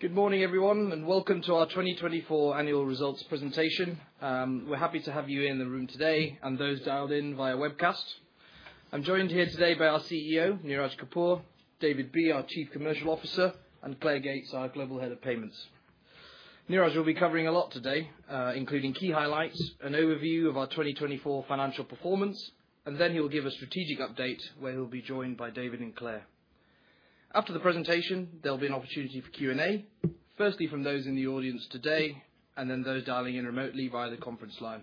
Good morning, everyone, and welcome to our 2024 annual results presentation. We're happy to have you in the room today and those dialed in via webcast. I'm joined here today by our CEO, Neeraj Kapur, David Bee, our Chief Commercial Officer, and Claire Gates, our Global Head of Payments. Neeraj will be covering a lot today, including key highlights, an overview of our 2024 financial performance, and then he'll give a strategic update where he'll be joined by David and Claire. After the presentation, there'll be an opportunity for Q&A, firstly from those in the audience today and then those dialing in remotely via the conference line.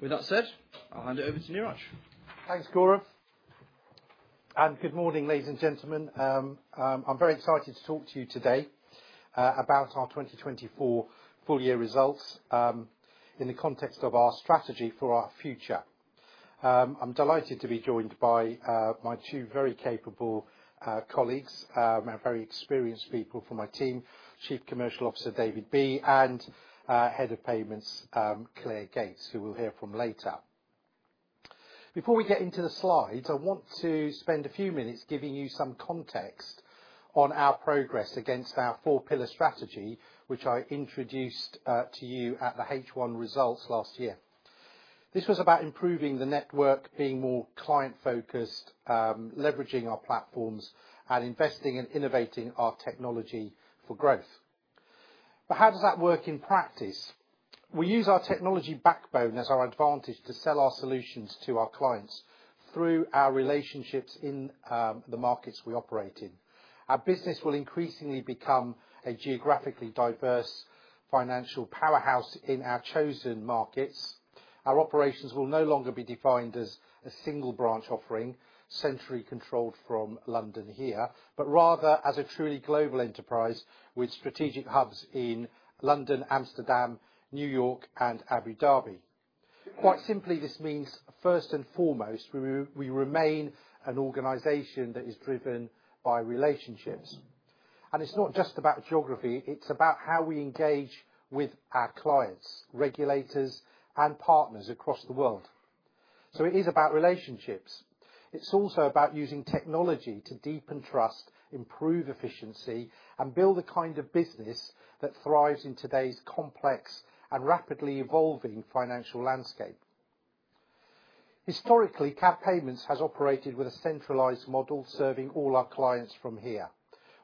With that said, I'll hand it over to Neeraj. Thanks, Gaurav. Good morning, ladies and gentlemen. I'm very excited to talk to you today about our 2024 full-year results in the context of our strategy for our future. I'm delighted to be joined by my two very capable colleagues, very experienced people from my team, Chief Commercial Officer David Bee and Head of Payments Claire Gates, who we'll hear from later. Before we get into the slides, I want to spend a few minutes giving you some context on our progress against our four-pillar strategy, which I introduced to you at the H1 results last year. This was about improving the network, being more client-focused, leveraging our platforms, and investing and innovating our technology for growth. How does that work in practice? We use our technology backbone as our advantage to sell our solutions to our clients through our relationships in the markets we operate in. Our business will increasingly become a geographically diverse financial powerhouse in our chosen markets. Our operations will no longer be defined as a single branch offering centrally controlled from London here, but rather as a truly global enterprise with strategic hubs in London, Amsterdam, New York, and Abu Dhabi. Quite simply, this means first and foremost, we remain an organization that is driven by relationships. It is not just about geography. It is about how we engage with our clients, regulators, and partners across the world. It is about relationships. It is also about using technology to deepen trust, improve efficiency, and build the kind of business that thrives in today's complex and rapidly evolving financial landscape. Historically, CAB Payments has operated with a centralized model serving all our clients from here.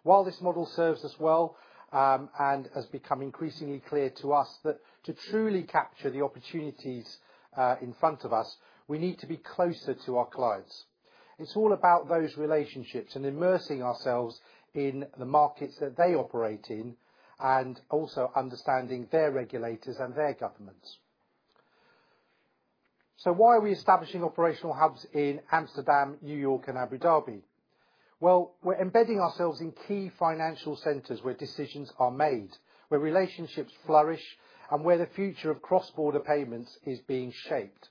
While this model serves us well and has become increasingly clear to us that to truly capture the opportunities in front of us, we need to be closer to our clients. It's all about those relationships and immersing ourselves in the markets that they operate in and also understanding their regulators and their governments. Why are we establishing operational hubs in Amsterdam, New York, and Abu Dhabi? We are embedding ourselves in key financial centres where decisions are made, where relationships flourish, and where the future of cross-border payments is being shaped.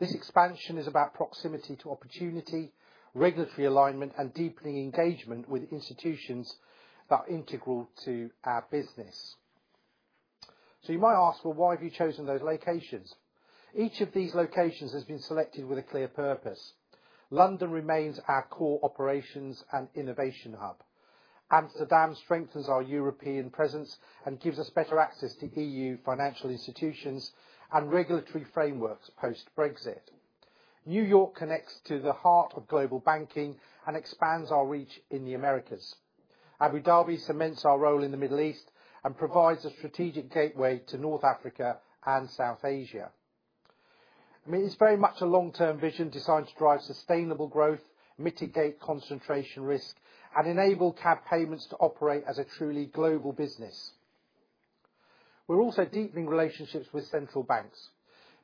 This expansion is about proximity to opportunity, regulatory alignment, and deepening engagement with institutions that are integral to our business. You might ask, why have you chosen those locations? Each of these locations has been selected with a clear purpose. London remains our core operations and innovation hub. Amsterdam strengthens our European presence and gives us better access to EU financial institutions and regulatory frameworks post-Brexit. New York connects to the heart of global banking and expands our reach in the Americas. Abu Dhabi cements our role in the Middle East and provides a strategic gateway to North Africa and South Asia. I mean, it's very much a long-term vision designed to drive sustainable growth, mitigate concentration risk, and enable CAB Payments to operate as a truly global business. We're also deepening relationships with central banks.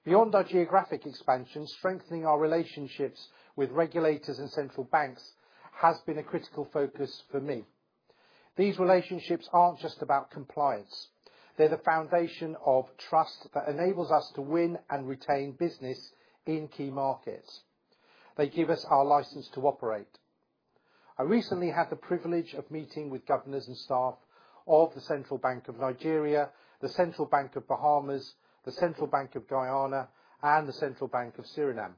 Beyond our geographic expansion, strengthening our relationships with regulators and central banks has been a critical focus for me. These relationships aren't just about compliance. They're the foundation of trust that enables us to win and retain business in key markets. They give us our license to operate. I recently had the privilege of meeting with governors and staff of the Central Bank of Nigeria, the Central Bank of Bahamas, the Central Bank of Guyana, and the Central Bank of Suriname.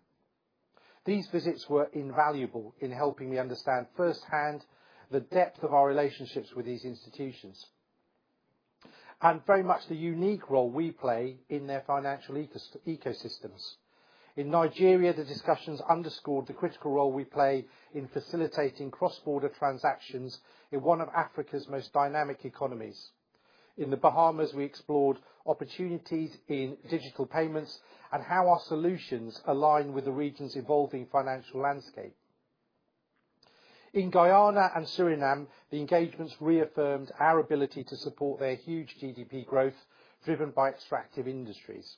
These visits were invaluable in helping me understand firsthand the depth of our relationships with these institutions and very much the unique role we play in their financial ecosystems. In Nigeria, the discussions underscored the critical role we play in facilitating cross-border transactions in one of Africa's most dynamic economies. In the Bahamas, we explored opportunities in digital payments and how our solutions align with the region's evolving financial landscape. In Guyana and Suriname, the engagements reaffirmed our ability to support their huge GDP growth driven by extractive industries.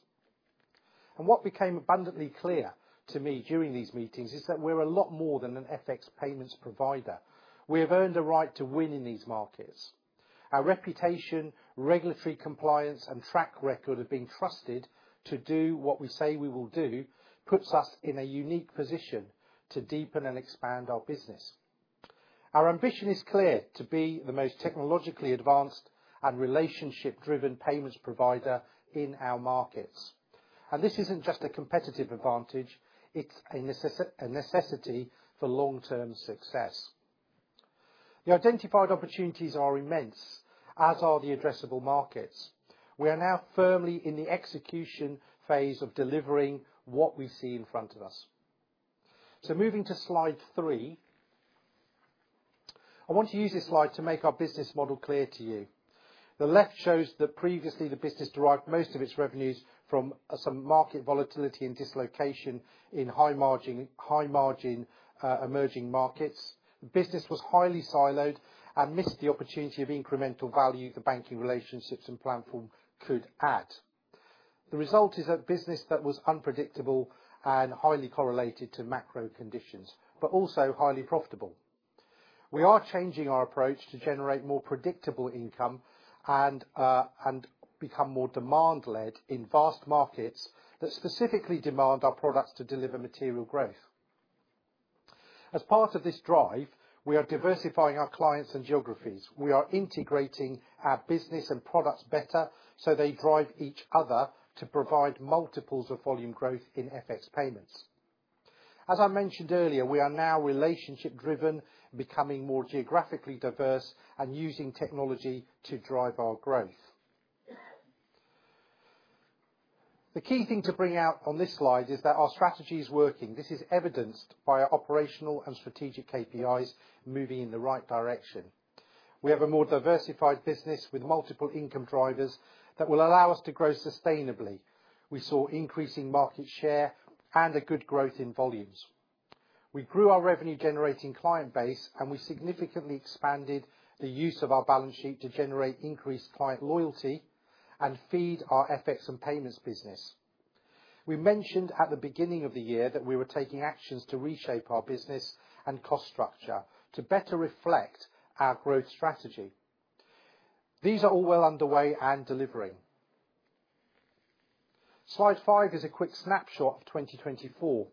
What became abundantly clear to me during these meetings is that we're a lot more than an FX payments provider. We have earned a right to win in these markets. Our reputation, regulatory compliance, and track record of being trusted to do what we say we will do puts us in a unique position to deepen and expand our business. Our ambition is clear to be the most technologically advanced and relationship-driven payments provider in our markets. This is not just a competitive advantage; it is a necessity for long-term success. The identified opportunities are immense, as are the addressable markets. We are now firmly in the execution phase of delivering what we see in front of us. Moving to slide three, I want to use this slide to make our business model clear to you. The left shows that previously the business derived most of its revenues from some market volatility and dislocation in high-margin emerging markets. The business was highly siloed and missed the opportunity of incremental value the banking relationships and platform could add. The result is a business that was unpredictable and highly correlated to macro conditions, but also highly profitable. We are changing our approach to generate more predictable income and become more demand-led in vast markets that specifically demand our products to deliver material growth. As part of this drive, we are diversifying our clients and geographies. We are integrating our business and products better so they drive each other to provide multiples of volume growth in FX payments. As I mentioned earlier, we are now relationship-driven, becoming more geographically diverse, and using technology to drive our growth. The key thing to bring out on this slide is that our strategy is working. This is evidenced by our operational and strategic KPIs moving in the right direction. We have a more diversified business with multiple income drivers that will allow us to grow sustainably. We saw increasing market share and good growth in volumes. We grew our revenue-generating client base, and we significantly expanded the use of our balance sheet to generate increased client loyalty and feed our FX and payments business. We mentioned at the beginning of the year that we were taking actions to reshape our business and cost structure to better reflect our growth strategy. These are all well underway and delivering. Slide five is a quick snapshot of 2024.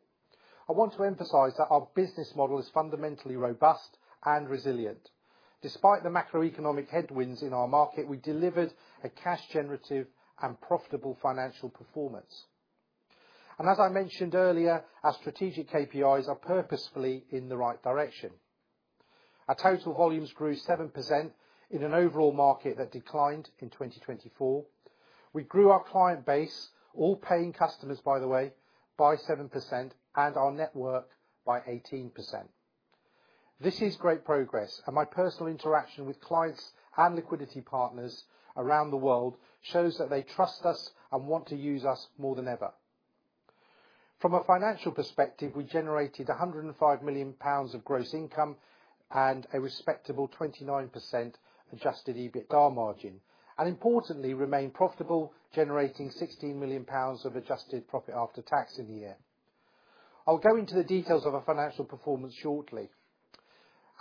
I want to emphasize that our business model is fundamentally robust and resilient. Despite the macroeconomic headwinds in our market, we delivered a cash-generative and profitable financial performance. As I mentioned earlier, our strategic KPIs are purposefully in the right direction. Our total volumes grew 7% in an overall market that declined in 2024. We grew our client base, all paying customers, by the way, by 7%, and our network by 18%. This is great progress, and my personal interaction with clients and liquidity partners around the world shows that they trust us and want to use us more than ever. From a financial perspective, we generated 105 million pounds of gross income and a respectable 29% adjusted EBITDA margin, and importantly, remained profitable, generating 16 million pounds of adjusted profit after tax in the year. I will go into the details of our financial performance shortly.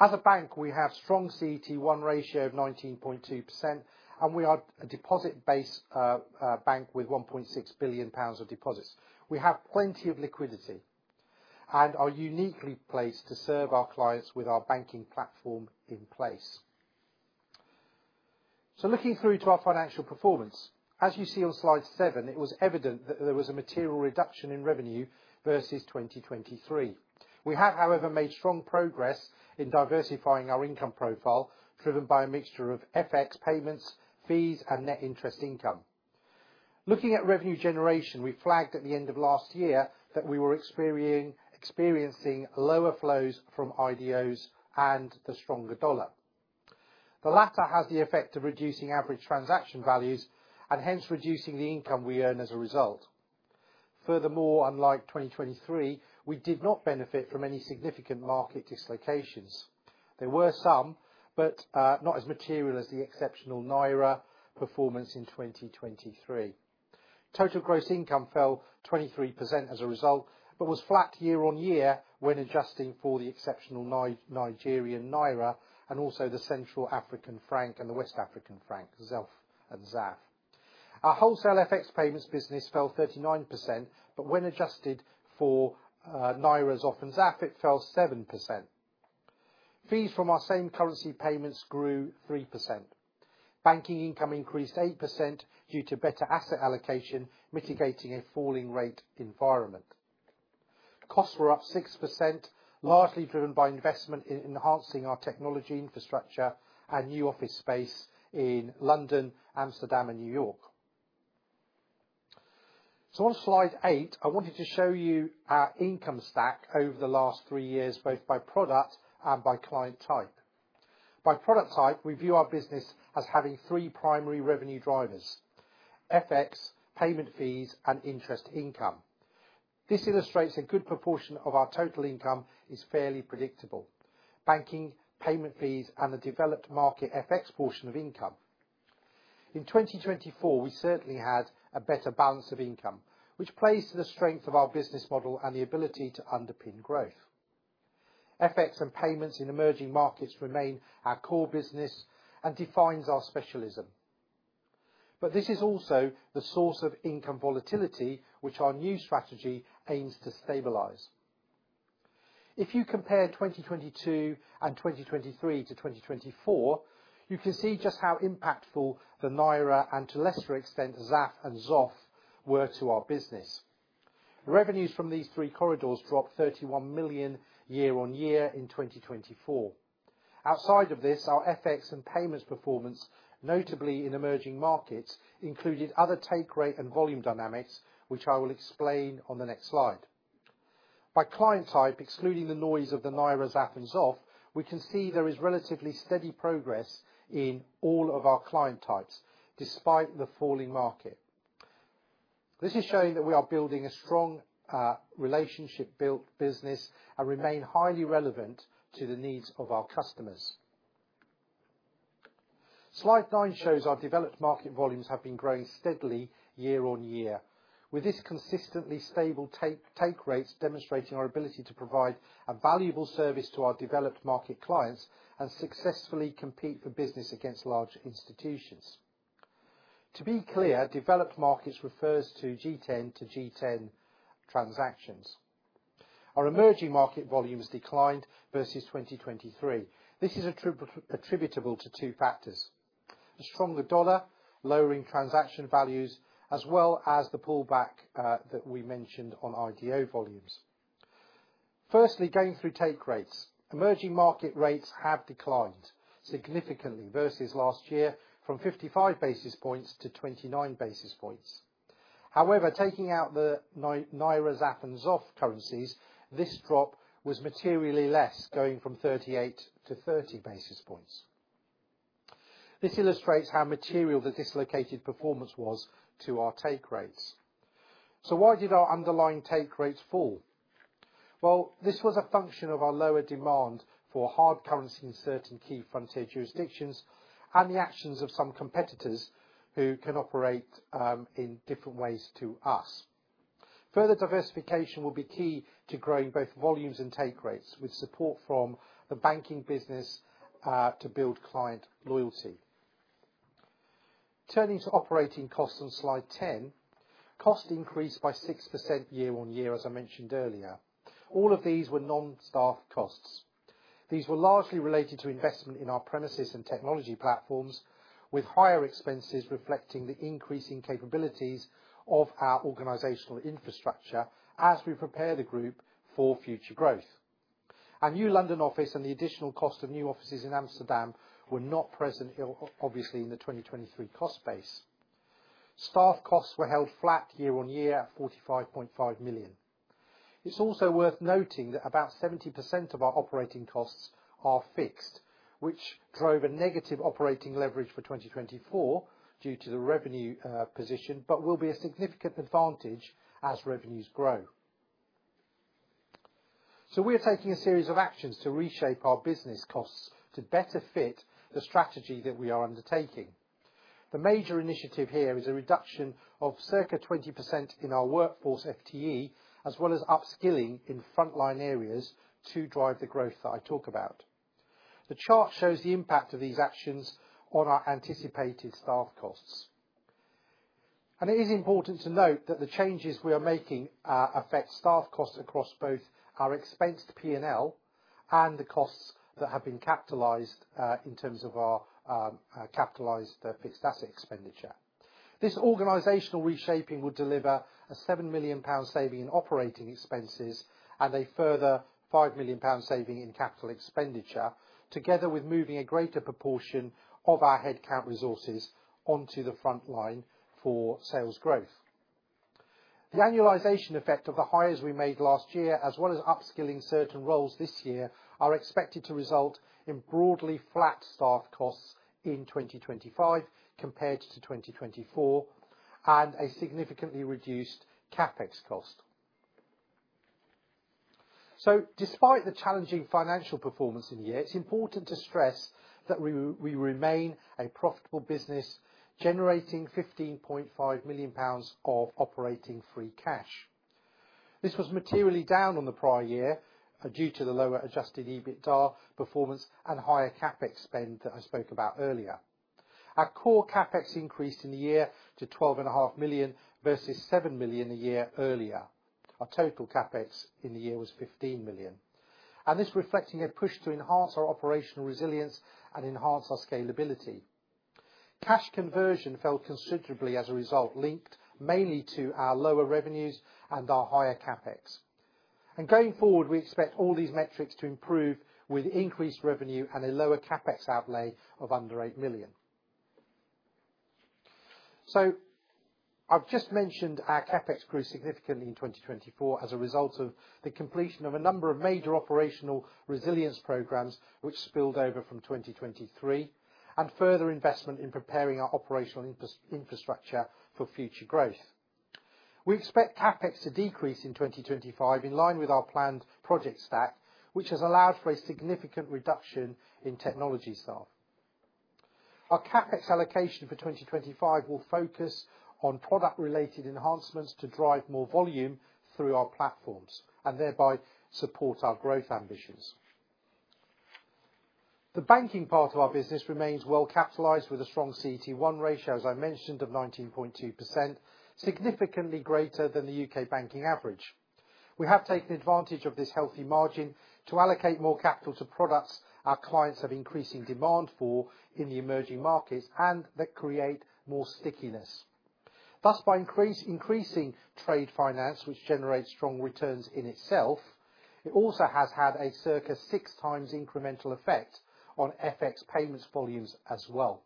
As a bank, we have a strong CET1 ratio of 19.2%, and we are a deposit-based bank with 1.6 billion pounds of deposits. We have plenty of liquidity and are uniquely placed to serve our clients with our banking platform in place. Looking through to our financial performance, as you see on slide seven, it was evident that there was a material reduction in revenue versus 2023. We have, however, made strong progress in diversifying our income profile, driven by a mixture of FX payments, fees, and net interest income. Looking at revenue generation, we flagged at the end of last year that we were experiencing lower flows from IDOs and the stronger dollar. The latter has the effect of reducing average transaction values and hence reducing the income we earn as a result. Furthermore, unlike 2023, we did not benefit from any significant market dislocations. There were some, but not as material as the exceptional Naira performance in 2023. Total gross income fell 23% as a result, but was flat year on year when adjusting for the exceptional Nigerian Naira and also the Central African Franc and the West African Franc, ZAF and ZOF. Our wholesale FX payments business fell 39%, but when adjusted for Naira, ZOF, and ZAF, it fell 7%. Fees from our same currency payments grew 3%. Banking income increased 8% due to better asset allocation, mitigating a falling rate environment. Costs were up 6%, largely driven by investment in enhancing our technology infrastructure and new office space in London, Amsterdam, and New York. On slide eight, I wanted to show you our income stack over the last three years, both by product and by client type. By product type, we view our business as having three primary revenue drivers: FX, payment fees, and interest income. This illustrates a good proportion of our total income is fairly predictable: banking, payment fees, and the developed market FX portion of income. In 2024, we certainly had a better balance of income, which plays to the strength of our business model and the ability to underpin growth. FX and payments in emerging markets remain our core business and defines our specialism. This is also the source of income volatility, which our new strategy aims to stabilize. If you compare 2022 and 2023 to 2024, you can see just how impactful the Naira and, to a lesser extent, ZAF and XOF were to our business. Revenues from these three corridors dropped 31 million year on year in 2024. Outside of this, our FX and payments performance, notably in emerging markets, included other take rate and volume dynamics, which I will explain on the next slide. By client type, excluding the noise of the Naira, ZAF, and West African Franc, we can see there is relatively steady progress in all of our client types despite the falling market. This is showing that we are building a strong relationship-built business and remain highly relevant to the needs of our customers. Slide nine shows our developed market volumes have been growing steadily year on year, with this consistently stable take rates demonstrating our ability to provide a valuable service to our developed market clients and successfully compete for business against large institutions. To be clear, developed markets refers to G10 to G10 transactions. Our emerging market volumes declined versus 2023. This is attributable to two factors: a stronger dollar, lowering transaction values, as well as the pullback that we mentioned on IDO volumes. Firstly, going through take rates, emerging market rates have declined significantly versus last year from 55 basis points to 29 basis points. However, taking out the Naira, ZAF, and ZOF currencies, this drop was materially less, going from 38 to 30 basis points. This illustrates how material the dislocated performance was to our take rates. Why did our underlying take rates fall? This was a function of our lower demand for hard currency in certain key frontier jurisdictions and the actions of some competitors who can operate in different ways to us. Further diversification will be key to growing both volumes and take rates with support from the banking business to build client loyalty. Turning to operating costs on slide 10, cost increased by 6% year on year, as I mentioned earlier. All of these were non-staff costs. These were largely related to investment in our premises and technology platforms, with higher expenses reflecting the increasing capabilities of our organizational infrastructure as we prepare the group for future growth. A new London office and the additional cost of new offices in Amsterdam were not present, obviously, in the 2023 cost base. Staff costs were held flat year on year at 45.5 million. It's also worth noting that about 70% of our operating costs are fixed, which drove a negative operating leverage for 2024 due to the revenue position, but will be a significant advantage as revenues grow. We are taking a series of actions to reshape our business costs to better fit the strategy that we are undertaking. The major initiative here is a reduction of circa 20% in our workforce FTE, as well as upskilling in frontline areas to drive the growth that I talk about. The chart shows the impact of these actions on our anticipated staff costs. It is important to note that the changes we are making affect staff costs across both our expensed P&L and the costs that have been capitalized in terms of our capitalized fixed asset expenditure. This organizational reshaping would deliver a 7 million pounds saving in operating expenses and a further 5 million pounds saving in capital expenditure, together with moving a greater proportion of our headcount resources onto the frontline for sales growth. The annualization effect of the hires we made last year, as well as upskilling certain roles this year, are expected to result in broadly flat staff costs in 2025 compared to 2024 and a significantly reduced CapEx cost. Despite the challenging financial performance in the year, it's important to stress that we remain a profitable business, generating 15.5 million pounds of operating free cash. This was materially down on the prior year due to the lower adjusted EBITDA performance and higher CapEx spend that I spoke about earlier. Our core CapEx increased in the year to 12.5 million versus 7 million a year earlier. Our total CapEx in the year was 15 million. This reflected a push to enhance our operational resilience and enhance our scalability. Cash conversion fell considerably as a result, linked mainly to our lower revenues and our higher CapEx. Going forward, we expect all these metrics to improve with increased revenue and a lower CapEx outlay of under 8 million. I have just mentioned our CapEx grew significantly in 2024 as a result of the completion of a number of major operational resilience programs, which spilled over from 2023, and further investment in preparing our operational infrastructure for future growth. We expect CapEx to decrease in 2025 in line with our planned project stack, which has allowed for a significant reduction in technology staff. Our CapEx allocation for 2025 will focus on product-related enhancements to drive more volume through our platforms and thereby support our growth ambitions. The banking part of our business remains well capitalized with a strong CET1 ratio, as I mentioned, of 19.2%, significantly greater than the U.K. banking average. We have taken advantage of this healthy margin to allocate more capital to products our clients have increasing demand for in the emerging markets and that create more stickiness. Thus, by increasing trade finance, which generates strong returns in itself, it also has had a circa six times incremental effect on FX payments volumes as well.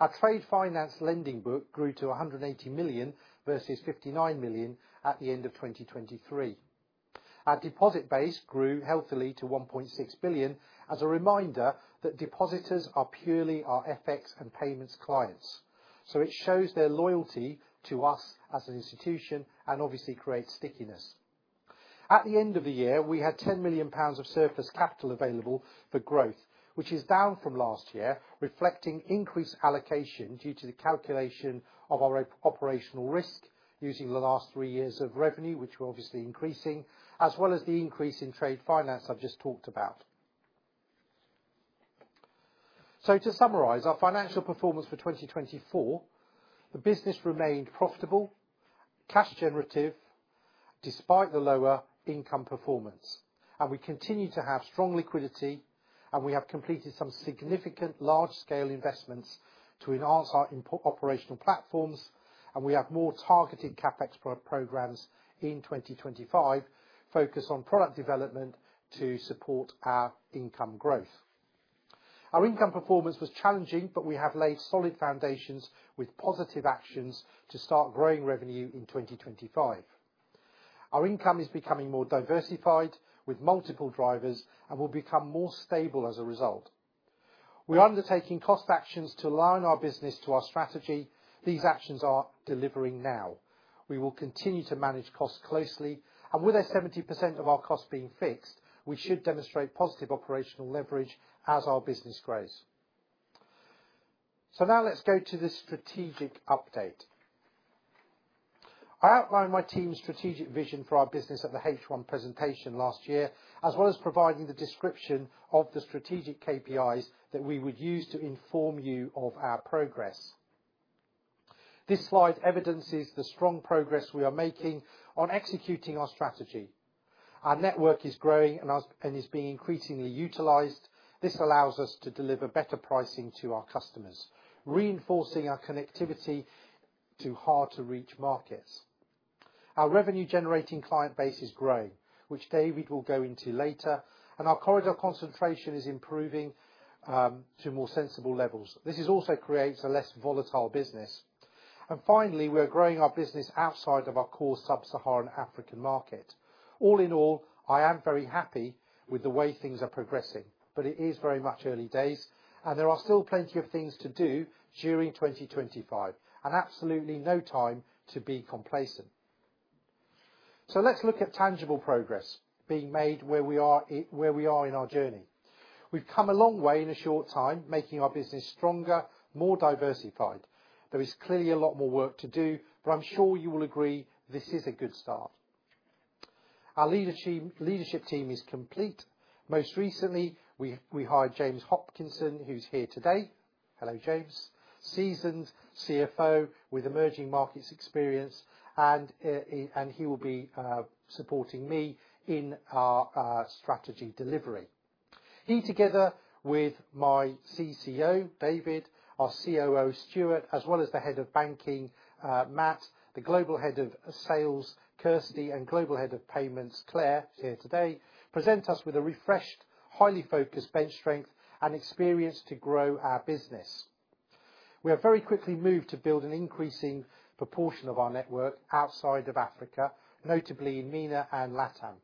Our trade finance lending book grew to 180 million versus 59 million at the end of 2023. Our deposit base grew healthily to 1.6 billion, as a reminder that depositors are purely our FX and payments clients. It shows their loyalty to us as an institution and obviously creates stickiness. At the end of the year, we had 10 million pounds of surplus capital available for growth, which is down from last year, reflecting increased allocation due to the calculation of our operational risk using the last three years of revenue, which were obviously increasing, as well as the increase in trade finance I have just talked about. To summarize our financial performance for 2024, the business remained profitable, cash generative, despite the lower income performance. We continue to have strong liquidity, and we have completed some significant large-scale investments to enhance our operational platforms, and we have more targeted CapEx programs in 2025 focused on product development to support our income growth. Our income performance was challenging, but we have laid solid foundations with positive actions to start growing revenue in 2025. Our income is becoming more diversified with multiple drivers and will become more stable as a result. We are undertaking cost actions to align our business to our strategy. These actions are delivering now. We will continue to manage costs closely, and with 70% of our costs being fixed, we should demonstrate positive operational leverage as our business grows. Now let's go to the strategic update. I outlined my team's strategic vision for our business at the H1 presentation last year, as well as providing the description of the strategic KPIs that we would use to inform you of our progress. This slide evidences the strong progress we are making on executing our strategy. Our network is growing and is being increasingly utilised. This allows us to deliver better pricing to our customers, reinforcing our connectivity to hard-to-reach markets. Our revenue-generating client base is growing, which David will go into later, and our corridor concentration is improving to more sensible levels. This also creates a less volatile business. Finally, we are growing our business outside of our core Sub-Saharan African market. All in all, I am very happy with the way things are progressing, but it is very much early days, and there are still plenty of things to do during 2025, and absolutely no time to be complacent. Let's look at tangible progress being made where we are in our journey. We have come a long way in a short time, making our business stronger, more diversified. There is clearly a lot more work to do, but I'm sure you will agree this is a good start. Our leadership team is complete. Most recently, we hired James Hopkinson, who's here today. Hello, James. Seasoned CFO with emerging markets experience, and he will be supporting me in our strategy delivery. He, together with my CCO, David, our COO, Stuart, as well as the Head of Banking, Matt, the Global Head of Sales, Kirsty, and Global Head of Payments, Claire, who's here today, present us with a refreshed, highly focused bench strength and experience to grow our business. We have very quickly moved to build an increasing proportion of our network outside of Africa, notably in MENA and LATAM.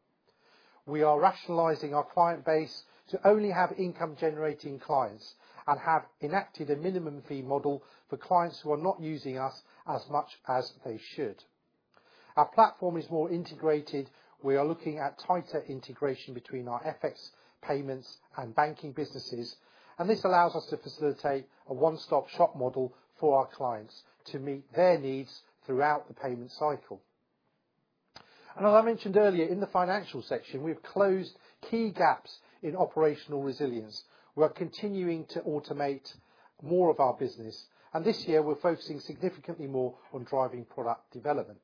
We are rationalizing our client base to only have income-generating clients and have enacted a minimum fee model for clients who are not using us as much as they should. Our platform is more integrated. We are looking at tighter integration between our FX, payments, and banking businesses, and this allows us to facilitate a one-stop-shop model for our clients to meet their needs throughout the payment cycle. As I mentioned earlier, in the financial section, we've closed key gaps in operational resilience. We are continuing to automate more of our business, and this year we're focusing significantly more on driving product development.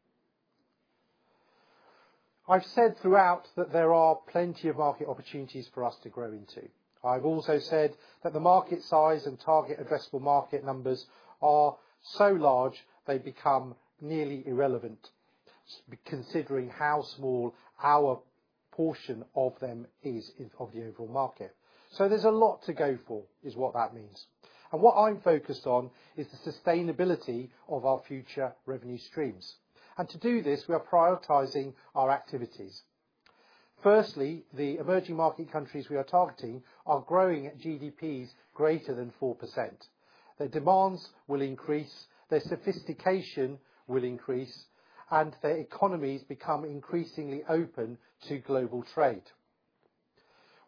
I've said throughout that there are plenty of market opportunities for us to grow into. I've also said that the market size and target addressable market numbers are so large they become nearly irrelevant, considering how small our portion of them is of the overall market. There is a lot to go for, is what that means. What I'm focused on is the sustainability of our future revenue streams. To do this, we are prioritizing our activities. Firstly, the emerging market countries we are targeting are growing at GDPs greater than 4%. Their demands will increase, their sophistication will increase, and their economies become increasingly open to global trade.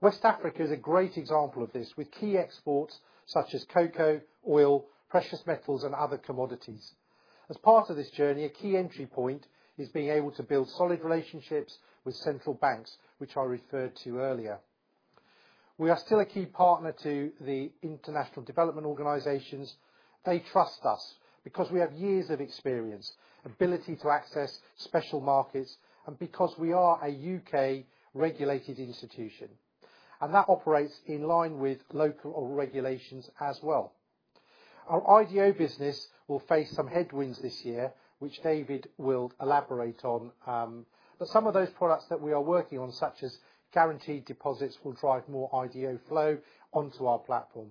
West Africa is a great example of this, with key exports such as cocoa, oil, precious metals, and other commodities. As part of this journey, a key entry point is being able to build solid relationships with central banks, which I referred to earlier. We are still a key partner to the International Development Organisations. They trust us because we have years of experience, ability to access special markets, and because we are a U.K.-regulated institution. That operates in line with local regulations as well. Our IDO business will face some headwinds this year, which David will elaborate on. Some of those products that we are working on, such as guaranteed deposits, will drive more IDO flow onto our platform,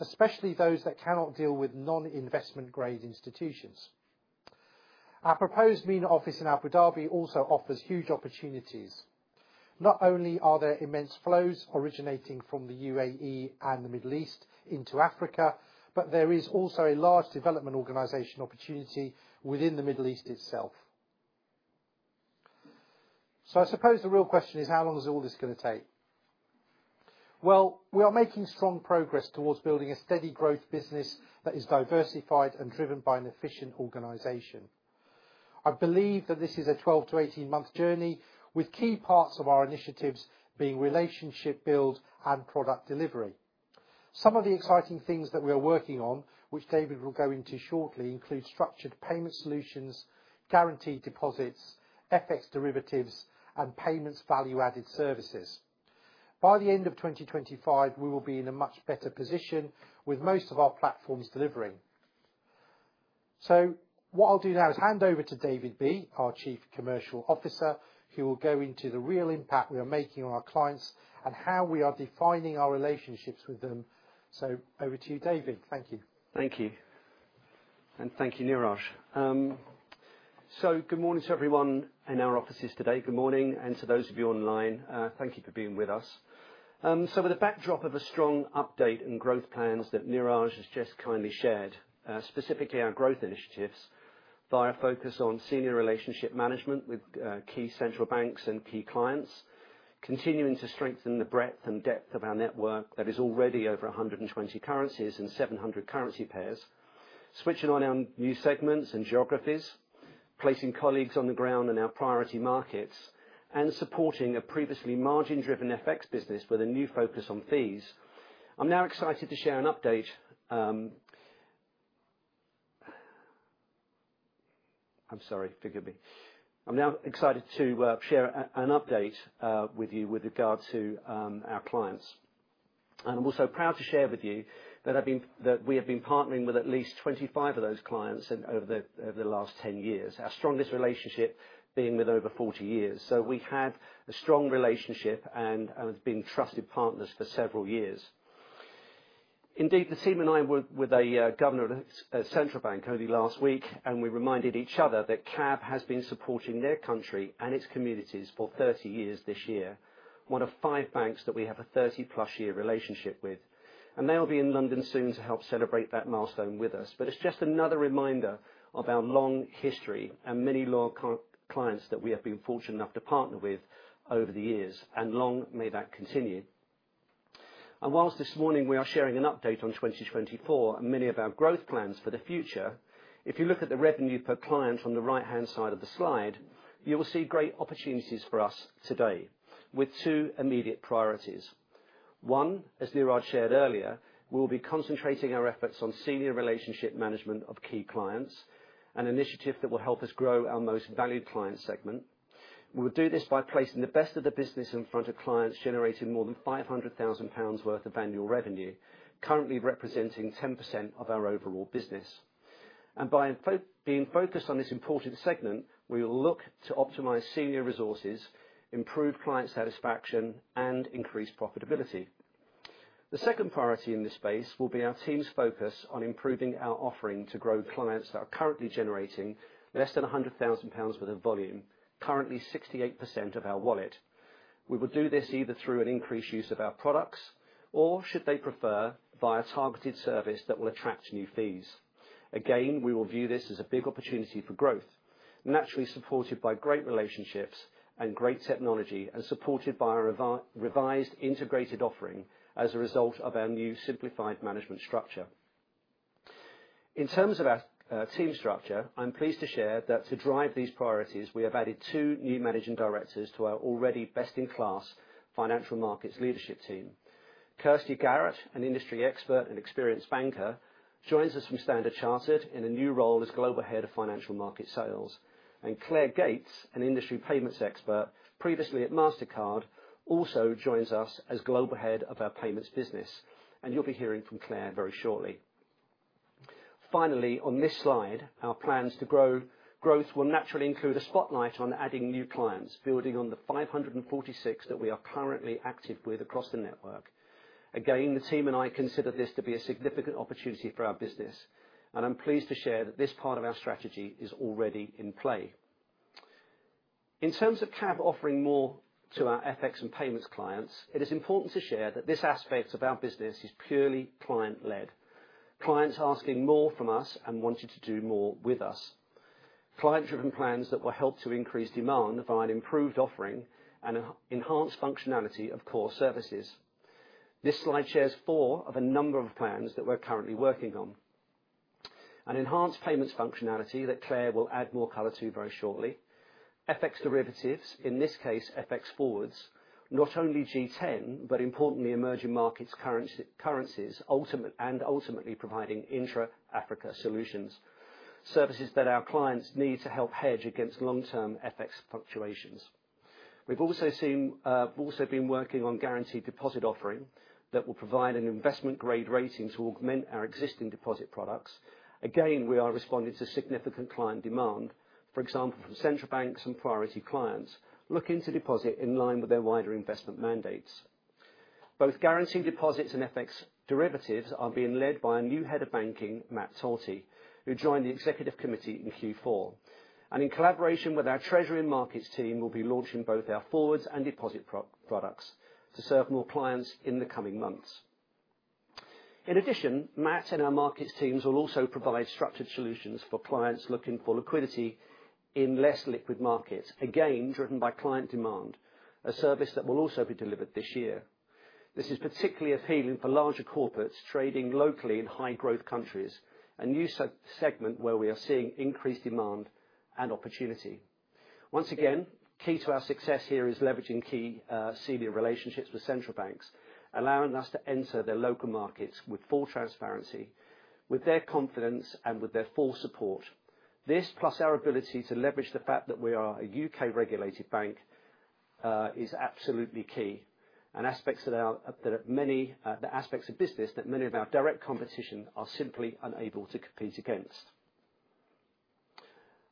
especially those that cannot deal with non-investment-grade institutions. Our proposed MENA office in Abu Dhabi also offers huge opportunities. Not only are there immense flows originating from the UAE and the Middle East into Africa, but there is also a large development organization opportunity within the Middle East itself. I suppose the real question is, how long is all this going to take? We are making strong progress towards building a steady growth business that is diversified and driven by an efficient organization. I believe that this is a 12 to 18 month journey, with key parts of our initiatives being relationship build and product delivery. Some of the exciting things that we are working on, which David will go into shortly, include structured payment solutions, guaranteed deposits, FX derivatives, and payments value-added services. By the end of 2025, we will be in a much better position, with most of our platforms delivering. What I will do now is hand over to David Bee, our Chief Commercial Officer, who will go into the real impact we are making on our clients and how we are defining our relationships with them. Over to you, David. Thank you. Thank you. And thank you, Neeraj. Good morning to everyone in our offices today. Good morning. To those of you online, thank you for being with us. With the backdrop of a strong update and growth plans that Neeraj has just kindly shared, specifically our growth initiatives via a focus on senior relationship management with key central banks and key clients, continuing to strengthen the breadth and depth of our network that is already over 120 currencies and 700 currency pairs, switching on our new segments and geographies, placing colleagues on the ground in our priority markets, and supporting a previously margin-driven FX business with a new focus on fees, I'm now excited to share an update. I'm sorry, forgive me. I'm now excited to share an update with you with regard to our clients. I'm also proud to share with you that we have been partnering with at least 25 of those clients over the last 10 years, our strongest relationship being with over 40 years. We have had a strong relationship and have been trusted partners for several years. Indeed, the team and I were with a governor at a central bank only last week, and we reminded each other that CAB has been supporting their country and its communities for 30 years this year, one of five banks that we have a 30+ year relationship with. They will be in London soon to help celebrate that milestone with us. It is just another reminder of our long history and many loyal clients that we have been fortunate enough to partner with over the years, and long may that continue. Whilst this morning we are sharing an update on 2024 and many of our growth plans for the future, if you look at the revenue per client on the right-hand side of the slide, you will see great opportunities for us today with two immediate priorities. One, as Neeraj shared earlier, we will be concentrating our efforts on senior relationship management of key clients, an initiative that will help us grow our most valued client segment. We will do this by placing the best of the business in front of clients generating more than 500,000 pounds worth of annual revenue, currently representing 10% of our overall business. By being focused on this important segment, we will look to optimize senior resources, improve client satisfaction, and increase profitability. The second priority in this space will be our team's focus on improving our offering to grow clients that are currently generating less than 100,000 pounds worth of volume, currently 68% of our wallet. We will do this either through an increased use of our products or, should they prefer, via targeted service that will attract new fees. Again, we will view this as a big opportunity for growth, naturally supported by great relationships and great technology and supported by our revised integrated offering as a result of our new simplified management structure. In terms of our team structure, I'm pleased to share that to drive these priorities, we have added two new Managing Directors to our already best-in-class financial markets leadership team. Kirsty Garrett, an industry expert and experienced banker, joins us from Standard Chartered in a new role as Global Head of Financial Markets Sales. Claire Gates, an industry payments expert previously at Mastercard, also joins us as Global Head of our payments business. You will be hearing from Claire very shortly. Finally, on this slide, our plans to grow growth will naturally include a spotlight on adding new clients, building on the 546 that we are currently active with across the network. The team and I consider this to be a significant opportunity for our business, and I am pleased to share that this part of our strategy is already in play. In terms of CAB offering more to our FX and payments clients, it is important to share that this aspect of our business is purely client-led, clients asking more from us and wanting to do more with us, client-driven plans that will help to increase demand via an improved offering and enhanced functionality of core services. This slide shares four of a number of plans that we're currently working on: an enhanced payments functionality that Claire will add more color to very shortly, FX derivatives, in this case FX forwards, not only G10 but importantly emerging markets currencies, and ultimately providing intra-Africa solutions, services that our clients need to help hedge against long-term FX fluctuations. We've also been working on guaranteed deposit offering that will provide an investment-grade rating to augment our existing deposit products. Again, we are responding to significant client demand, for example, from central banks and priority clients looking to deposit in line with their wider investment mandates. Both guaranteed deposits and FX derivatives are being led by our new Head of Banking, Matt Torty, who joined the executive committee in Q4. In collaboration with our treasury and markets team, we'll be launching both our forwards and deposit products to serve more clients in the coming months. In addition, Matt and our markets teams will also provide structured solutions for clients looking for liquidity in less liquid markets, again driven by client demand, a service that will also be delivered this year. This is particularly appealing for larger corporates trading locally in high-growth countries, a new segment where we are seeing increased demand and opportunity. Once again, key to our success here is leveraging key senior relationships with central banks, allowing us to enter their local markets with full transparency, with their confidence, and with their full support. This, plus our ability to leverage the fact that we are a U.K.-regulated bank, is absolutely key and aspects that are many the aspects of business that many of our direct competition are simply unable to compete against.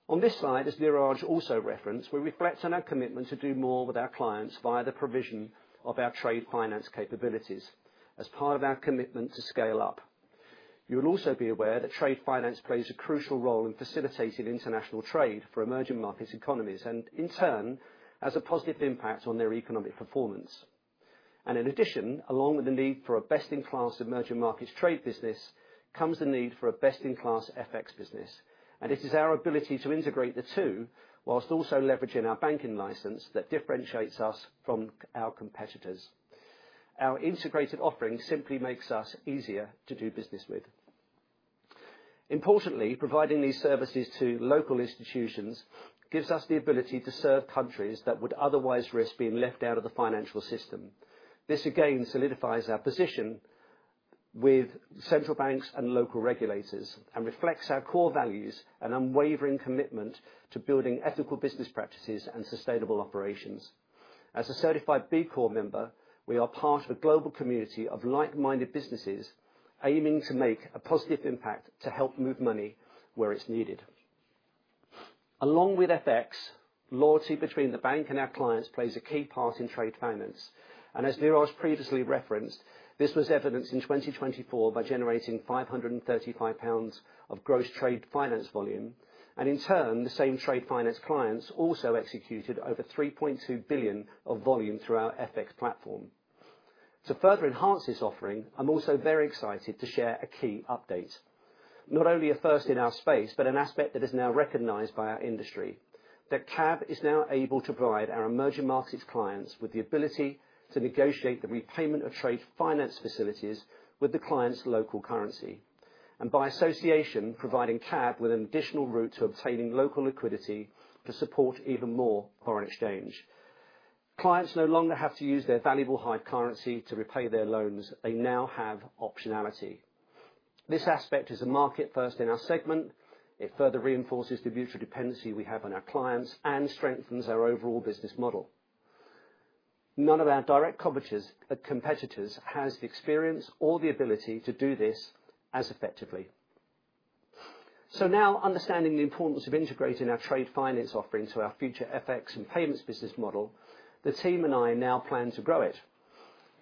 On this slide, as Neeraj also referenced, we reflect on our commitment to do more with our clients via the provision of our trade finance capabilities as part of our commitment to scale up. You will also be aware that trade finance plays a crucial role in facilitating international trade for emerging markets economies and, in turn, has a positive impact on their economic performance. In addition, along with the need for a best-in-class emerging markets trade business, comes the need for a best-in-class FX business. It is our ability to integrate the two whilst also leveraging our banking license that differentiates us from our competitors. Our integrated offering simply makes us easier to do business with. Importantly, providing these services to local institutions gives us the ability to serve countries that would otherwise risk being left out of the financial system. This, again, solidifies our position with central banks and local regulators and reflects our core values and unwavering commitment to building ethical business practices and sustainable operations. As a Certified B Corps member, we are part of a global community of like-minded businesses aiming to make a positive impact to help move money where it's needed. Along with FX, loyalty between the bank and our clients plays a key part in trade finance. As Neeraj previously referenced, this was evidenced in 2024 by generating 535 million pounds of gross trade finance volume. In turn, the same trade finance clients also executed over 3.2 billion of volume through our FX platform. To further enhance this offering, I'm also very excited to share a key update, not only a first in our space but an aspect that is now recognized by our industry, that CAB is now able to provide our emerging markets clients with the ability to negotiate the repayment of trade finance facilities with the client's local currency. And by association, providing CAB with an additional route to obtaining local liquidity to support even more foreign exchange. Clients no longer have to use their valuable high currency to repay their loans; they now have optionality. This aspect is a market first in our segment. It further reinforces the mutual dependency we have on our clients and strengthens our overall business model. None of our direct competitors has the experience or the ability to do this as effectively. Now, understanding the importance of integrating our trade finance offering to our future FX and payments business model, the team and I now plan to grow it.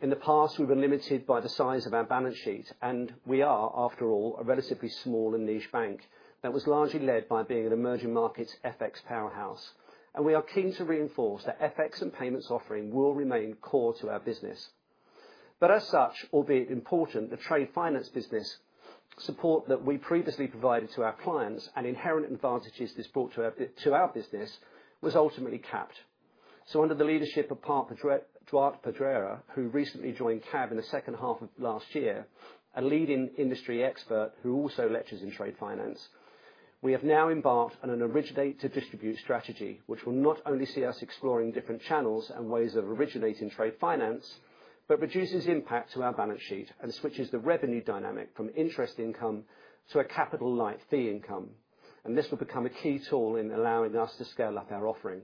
In the past, we were limited by the size of our balance sheet, and we are, after all, a relatively small and niche bank that was largely led by being an emerging markets FX powerhouse. We are keen to reinforce that FX and payments offering will remain core to our business. Albeit important, the trade finance business support that we previously provided to our clients and inherent advantages this brought to our business was ultimately capped. Under the leadership of Parth Padrae, who recently joined CAB Payments in the second half of last year, a leading industry expert who also lectures in trade finance, we have now embarked on an originate-to-distribute strategy, which will not only see us exploring different channels and ways of originating trade finance but reduces impact to our balance sheet and switches the revenue dynamic from interest income to a capital-light fee income. This will become a key tool in allowing us to scale up our offering.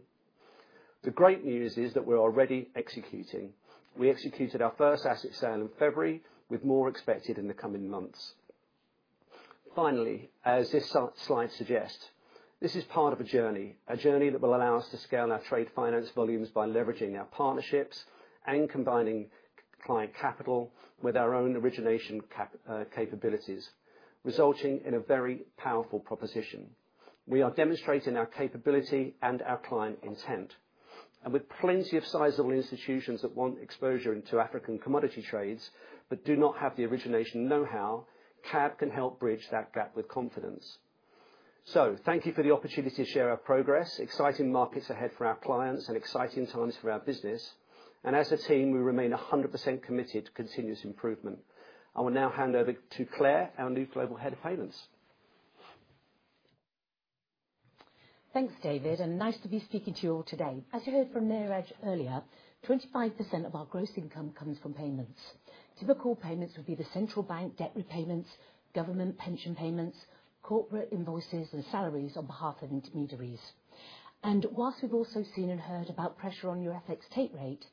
The great news is that we're already executing. We executed our first asset sale in February, with more expected in the coming months. Finally, as this slide suggests, this is part of a journey, a journey that will allow us to scale our trade finance volumes by leveraging our partnerships and combining client capital with our own origination capabilities, resulting in a very powerful proposition. We are demonstrating our capability and our client intent. With plenty of sizable institutions that want exposure into African commodity trades but do not have the origination know-how, CAB can help bridge that gap with confidence. Thank you for the opportunity to share our progress, exciting markets ahead for our clients, and exciting times for our business. As a team, we remain 100% committed to continuous improvement. I will now hand over to Claire, our new Global Head of Payments. Thanks, David, and nice to be speaking to you all today. As you heard from Neeraj earlier, 25% of our gross income comes from payments. Typical payments would be the central bank debt repayments, government pension payments, corporate invoices, and salaries on behalf of intermediaries. Whilst we've also seen and heard about pressure on your FX take rate,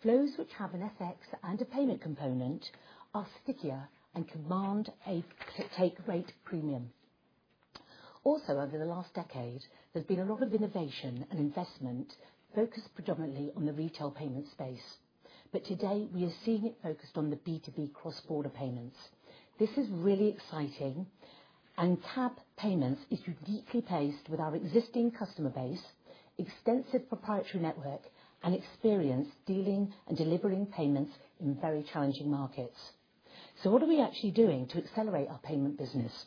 flows which have an FX and a payment component are stickier and command a take rate premium. Over the last decade, there's been a lot of innovation and investment focused predominantly on the retail payment space. Today, we are seeing it focused on the B2B cross-border payments. This is really exciting, and CAB Payments is uniquely placed with our existing customer base, extensive proprietary network, and experience dealing and delivering payments in very challenging markets. What are we actually doing to accelerate our payment business?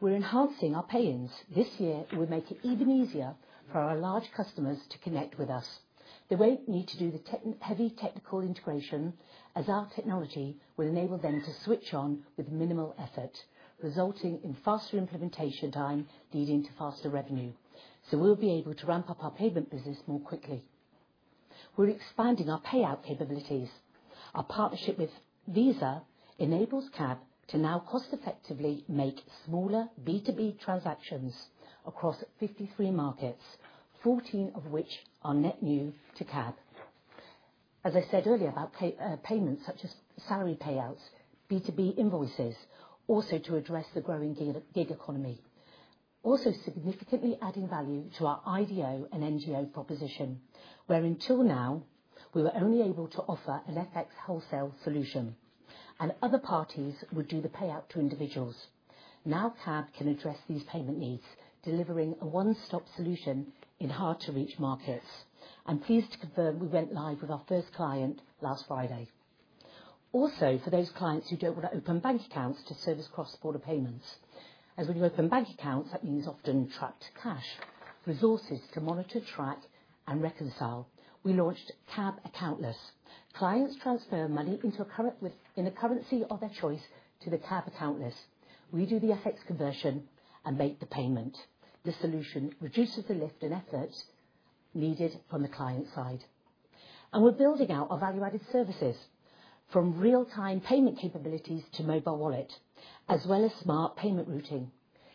We're enhancing our pay-ins. This year, we'll make it even easier for our large customers to connect with us. They will not need to do the heavy technical integration, as our technology will enable them to switch on with minimal effort, resulting in faster implementation time leading to faster revenue. We will be able to ramp up our payment business more quickly. We are expanding our payout capabilities. Our partnership with Visa enables CAB to now cost-effectively make smaller B2B transactions across 53 markets, 14 of which are net new to CAB. As I said earlier about payments such as salary payouts, B2B invoices, also to address the growing gig economy. Also, significantly adding value to our IDO and NGO proposition, where until now, we were only able to offer an FX wholesale solution, and other parties would do the payout to individuals. Now CAB can address these payment needs, delivering a one-stop solution in hard-to-reach markets. I am pleased to confirm we went live with our first client last Friday. Also, for those clients who do not want to open bank accounts to service cross-border payments, as when you open bank accounts, that means often tracked cash resources to monitor, track, and reconcile, we launched CAB Accountless. Clients transfer money into a current within a currency of their choice to the CAB Accountless. We do the FX conversion and make the payment. The solution reduces the lift and effort needed from the client side. We are building out our value-added services from real-time payment capabilities to mobile wallet, as well as smart payment routing.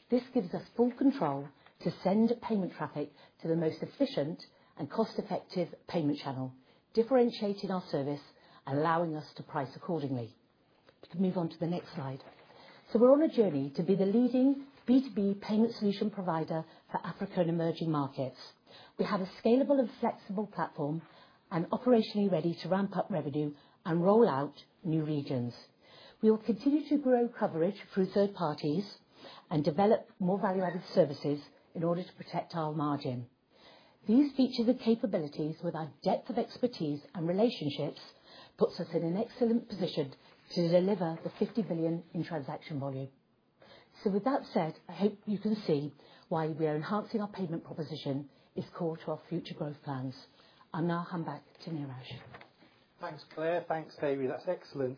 This gives us full control to send payment traffic to the most efficient and cost-effective payment channel, differentiating our service, allowing us to price accordingly. We can move on to the next slide. We are on a journey to be the leading B2B payment solution provider for Africa and emerging markets. We have a scalable and flexible platform and operationally ready to ramp up revenue and roll out new regions. We will continue to grow coverage through third parties and develop more value-added services in order to protect our margin. These features and capabilities, with our depth of expertise and relationships, put us in an excellent position to deliver the $50 billion in transaction volume. With that said, I hope you can see why we are enhancing our payment proposition is core to our future growth plans. I'll now hand back to Neeraj. Thanks, Claire. Thanks, David. That's excellent,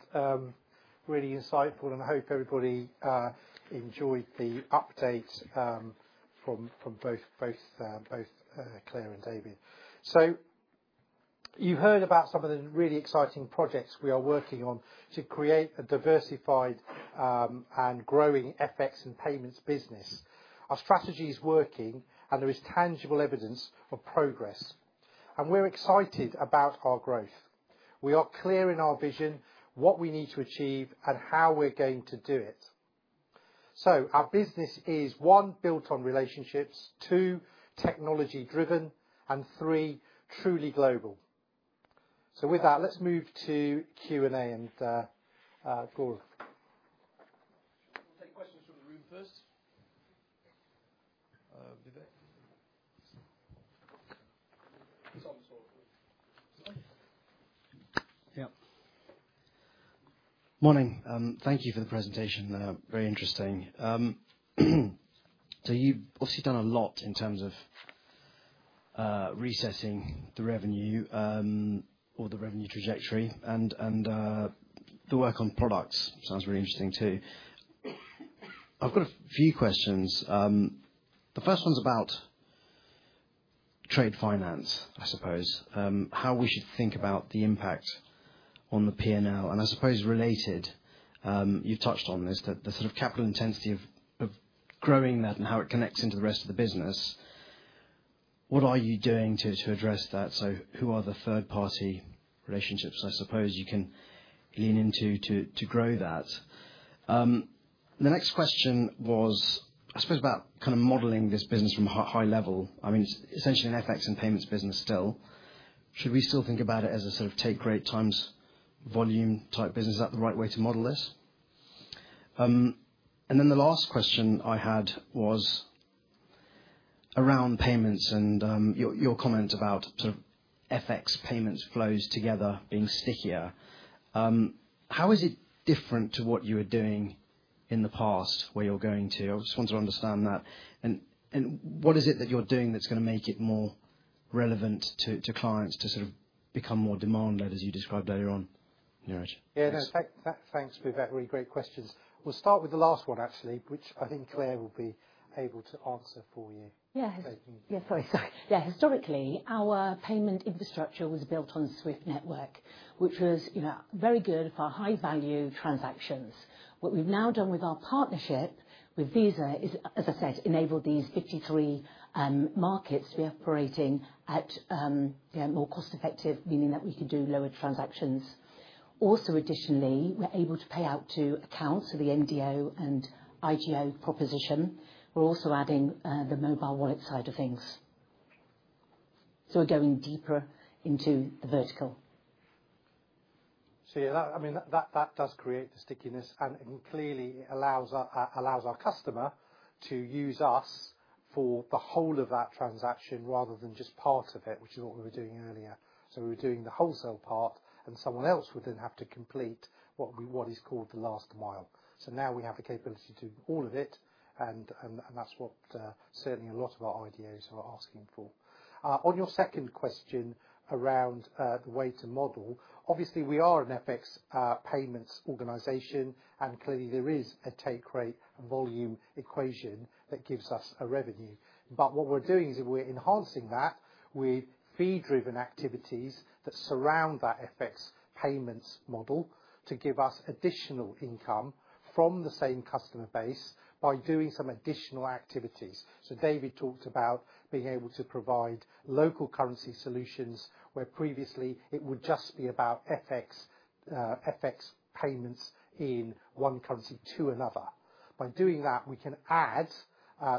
really insightful, and I hope everybody enjoyed the update from both Claire and David. You heard about some of the really exciting projects we are working on to create a diversified and growing FX and payments business. Our strategy is working, and there is tangible evidence of progress. We are excited about our growth. We are clear in our vision what we need to achieve and how we are going to do it. Our business is, one, built on relationships, two, technology-driven, and three, truly global. With that, let's move to Q&A and go on. We'll take questions from the room first. Morning. Thank you for the presentation. Very interesting. You have obviously done a lot in terms of resetting the revenue or the revenue trajectory, and the work on products sounds really interesting too. I have got a few questions. The first one is about trade finance, I suppose, how we should think about the impact on the P&L. I suppose related, you have touched on this, the sort of capital intensity of growing that and how it connects into the rest of the business. What are you doing to address that? Who are the third-party relationships, I suppose, you can lean into to grow that? The next question was, I suppose, about kind of modeling this business from a high level. I mean, it is essentially an FX and payments business still. Should we still think about it as a sort of take rate times volume type business? Is that the right way to model this? The last question I had was around payments and your comment about sort of FX payments flows together being stickier. How is it different to what you were doing in the past where you're going to? I just want to understand that. What is it that you're doing that's going to make it more relevant to clients to sort of become more demanded, as you described earlier on, Neeraj? Yeah, no, thanks, for the really great questions. We'll start with the last one, actually, which I think Claire will be able to answer for you. Yeah, historically, our payment infrastructure was built on Swift Network, which was very good for high-value transactions. What we've now done with our partnership with Visa is, as I said, enabled these 53 markets to be operating at more cost-effective, meaning that we could do lower transactions. Also, additionally, we're able to pay out to accounts of the NGO and IGO proposition. We're also adding the mobile wallet side of things. So we're going deeper into the vertical. Yeah, I mean, that does create the stickiness, and clearly, it allows our customer to use us for the whole of that transaction rather than just part of it, which is what we were doing earlier. We were doing the wholesale part, and someone else would then have to complete what is called the last mile. Now we have the capability to do all of it, and that's what certainly a lot of our IDOs are asking for. On your second question around the way to model, obviously, we are an FX payments organization, and clearly, there is a tape rate volume equation that gives us a revenue. What we're doing is we're enhancing that with fee-driven activities that surround that FX payments model to give us additional income from the same customer base by doing some additional activities. David talked about being able to provide local currency solutions where previously it would just be about FX payments in one currency to another. By doing that, we can add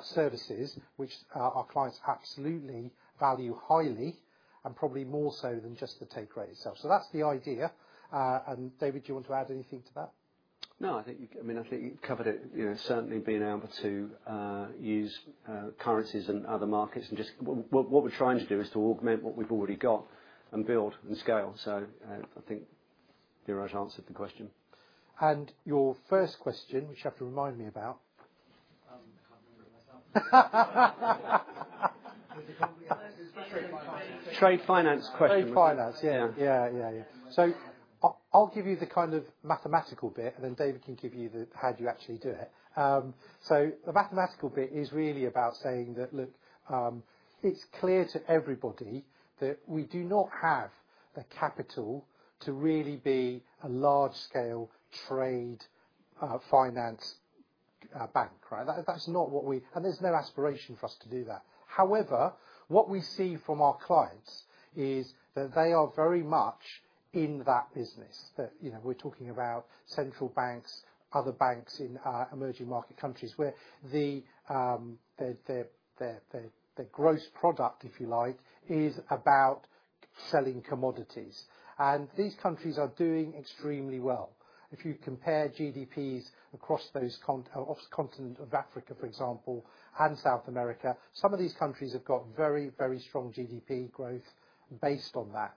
services which our clients absolutely value highly and probably more so than just the take rate itself. That is the idea. David, do you want to add anything to that? No, I think you've covered it. Certainly, being able to use currencies and other markets and just what we're trying to do is to augment what we've already got and build and scale. I think Neeraj answered the question. Your first question, which you have to remind me about. I can't remember it myself. Trade finance. Trade finance question. Trade finance, yeah. Yeah, yeah, yeah. I'll give you the kind of mathematical bit, and then David can give you how do you actually do it. The mathematical bit is really about saying that, look, it's clear to everybody that we do not have the capital to really be a large-scale trade finance bank, right? That's not what we and there's no aspiration for us to do that. However, what we see from our clients is that they are very much in that business. We're talking about central banks, other banks in emerging market countries where the gross product, if you like, is about selling commodities. These countries are doing extremely well. If you compare GDPs across those continent of Africa, for example, and South America, some of these countries have got very, very strong GDP growth based on that.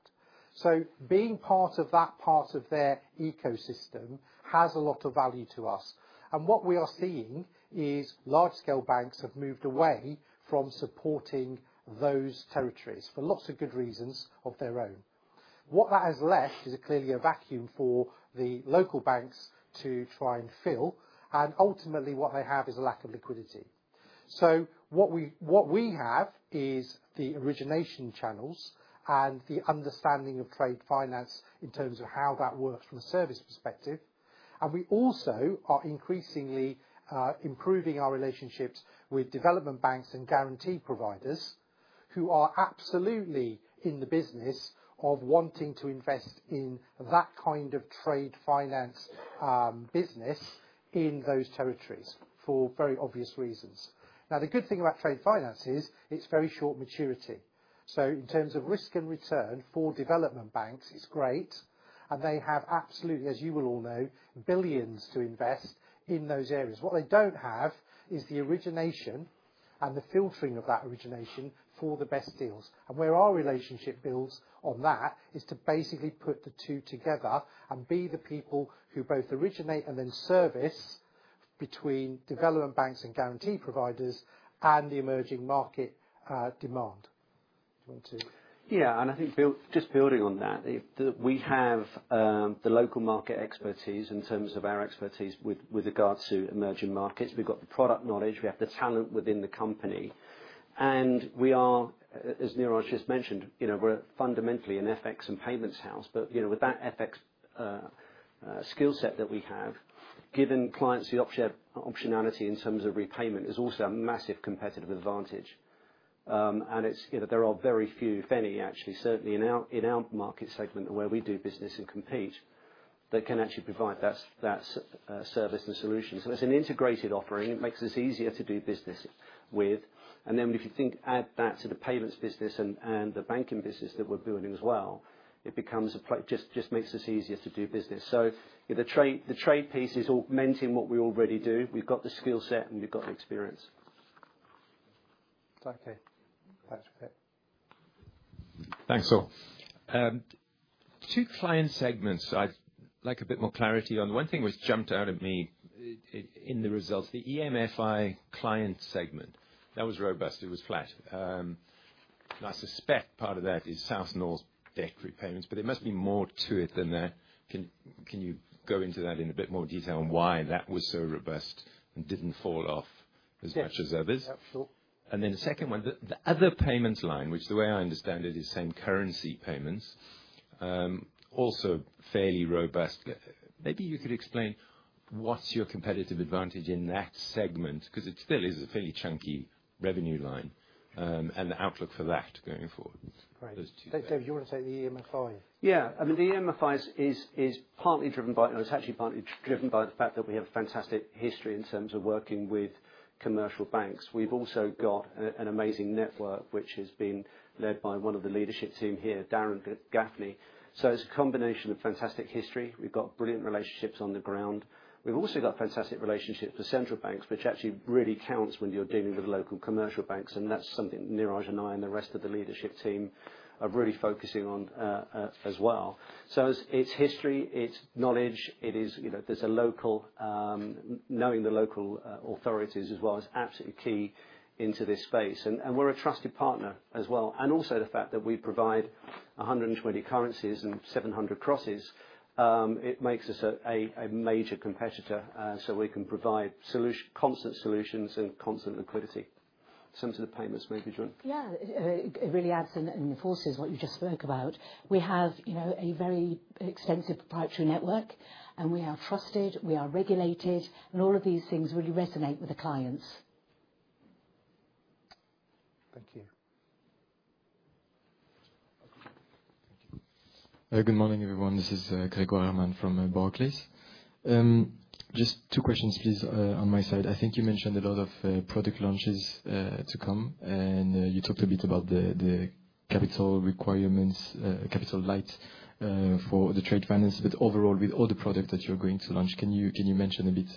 Being part of that, part of their ecosystem has a lot of value to us. What we are seeing is large-scale banks have moved away from supporting those territories for lots of good reasons of their own. What that has left is clearly a vacuum for the local banks to try and fill, and ultimately, what they have is a lack of liquidity. What we have is the origination channels and the understanding of trade finance in terms of how that works from a service perspective. We also are increasingly improving our relationships with development banks and guarantee providers who are absolutely in the business of wanting to invest in that kind of trade finance business in those territories for very obvious reasons. The good thing about trade finance is it's very short maturity. In terms of risk and return for development banks, it's great, and they have absolutely, as you will all know, billions to invest in those areas. What they do not have is the origination and the filtering of that origination for the best deals. Where our relationship builds on that is to basically put the two together and be the people who both originate and then service between development banks and guarantee providers and the emerging market demand. Do you want to? Yeah, and I think just building on that, we have the local market expertise in terms of our expertise with regards to emerging markets. We have got the product knowledge. We have the talent within the company. We are, as Neeraj just mentioned, fundamentally an FX and payments house, but with that FX skill set that we have, giving clients the optionality in terms of repayment is also a massive competitive advantage. There are very few, if any, actually, certainly in our market segment where we do business and compete, that can actually provide that service and solution. It is an integrated offering. It makes us easier to do business with. If you add that to the payments business and the banking business that we are building as well, it just makes us easier to do business. The trade piece is augmenting what we already do. We've got the skill set, and we've got the experience. Thank you. Thanks, bet. Thanks, all. Two client segments I'd like a bit more clarity on. One thing was jumped out at me in the results, the EMFI client segment. That was robust. It was flat. I suspect part of that is South North debt repayments, but there must be more to it than that. Can you go into that in a bit more detail on why that was so robust and did not fall off as much as others? The second one, the other payments line, which the way I understand it is same currency payments, also fairly robust. Maybe you could explain what's your competitive advantage in that segment? Because it still is a fairly chunky revenue line and the outlook for that going forward. Those two things. David, you want to take the EMFI? Yeah. I mean, the EMFI is partly driven by, or it's actually partly driven by the fact that we have a fantastic history in terms of working with commercial banks. We've also got an amazing network, which has been led by one of the leadership team here, Darren Gaffney. It's a combination of fantastic history. We've got brilliant relationships on the ground. We've also got fantastic relationships with central banks, which actually really counts when you're dealing with local commercial banks. That's something Neeraj and I and the rest of the leadership team are really focusing on as well. It's history, it's knowledge, it is there's a local knowing the local authorities as well as absolutely key into this space. We're a trusted partner as well. Also the fact that we provide 120 currencies and 700 crosses, it makes us a major competitor so we can provide constant solutions and constant liquidity. Some to the payments, maybe Gates? Yeah, it really adds and enforces what you just spoke about. We have a very extensive proprietary network, and we are trusted, we are regulated, and all of these things really resonate with the clients. Thank you. Good morning, everyone. This is Craig Bergmann from Barclays. Just two questions, please, on my side. I think you mentioned a lot of product launches to come, and you talked a bit about the capital requirements, capital light for the trade finance. Overall, with all the product that you're going to launch, can you mention a bit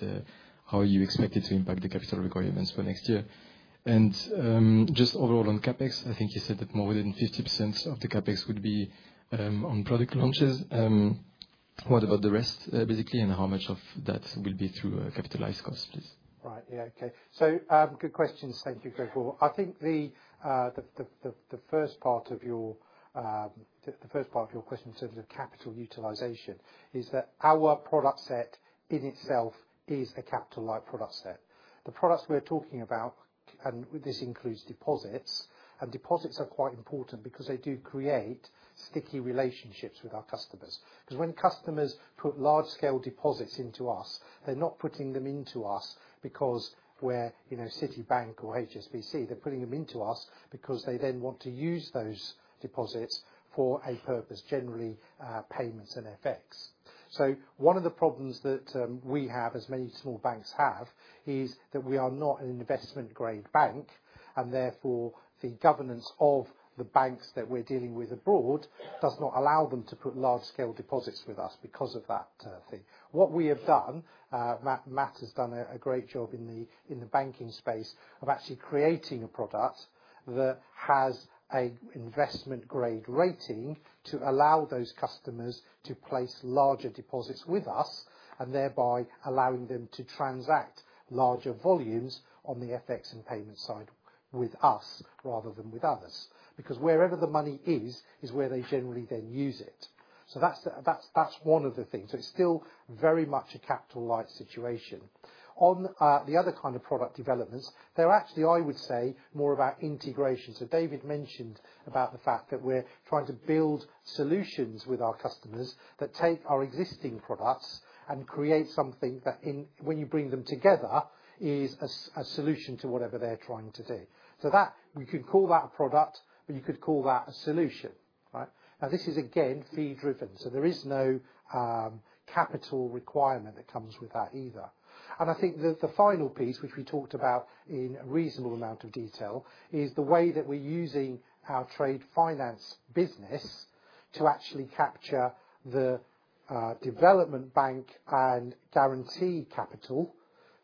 how you expect it to impact the capital requirements for next year? Just overall on CapEx, I think you said that more than 50% of the CapEx would be on product launches. What about the rest, basically, and how much of that will be through capitalise costs, please? Right, yeah, okay. Good questions. Thank you, Craig Bergmann. I think the first part of your question in terms of capital utilization is that our product set in itself is a capital-light product set. The products we're talking about, and this includes deposits, and deposits are quite important because they do create sticky relationships with our customers. Because when customers put large-scale deposits into us, they're not putting them into us because we're Citibank or HSBC. They're putting them into us because they then want to use those deposits for a purpose, generally payments and FX. One of the problems that we have, as many small banks have, is that we are not an investment-grade bank, and therefore the governance of the banks that we're dealing with abroad does not allow them to put large-scale deposits with us because of that thing. What we have done, Matt has done a great job in the banking space of actually creating a product that has an investment-grade rating to allow those customers to place larger deposits with us and thereby allowing them to transact larger volumes on the FX and payments side with us rather than with others. Because wherever the money is, is where they generally then use it. That is one of the things. It is still very much a capital-light situation. On the other kind of product developments, they are actually, I would say, more about integration. David mentioned about the fact that we are trying to build solutions with our customers that take our existing products and create something that, when you bring them together, is a solution to whatever they are trying to do. We could call that a product, but you could call that a solution, right? Now, this is, again, fee-driven. There is no capital requirement that comes with that either. I think the final piece, which we talked about in a reasonable amount of detail, is the way that we're using our trade finance business to actually capture the development bank and guarantee capital